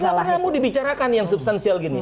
jadi gak apa apa mau dibicarakan yang substansial gini